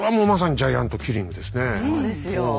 そうですよ。